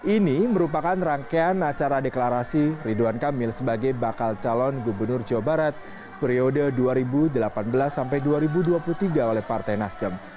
ini merupakan rangkaian acara deklarasi ridwan kamil sebagai bakal calon gubernur jawa barat periode dua ribu delapan belas sampai dua ribu dua puluh tiga oleh partai nasdem